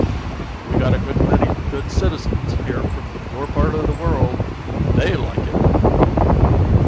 "We got a good many good citizens here from your part o' the world. THEY like it."